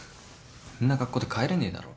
んな格好で帰れねえだろ。